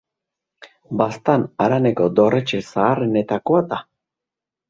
Baztan haraneko dorretxe zaharrenetakoa da.